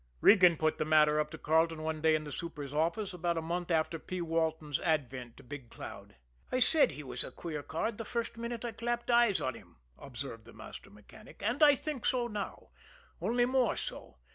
Regan put the matter up to Carleton one day in the super's office, about a month after P. Walton's advent to Big Cloud. "I said he was a queer card the first minute I clapped eyes on him," observed the master mechanic. "And I think so now only more so.